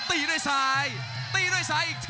ตีด้วยซ้าย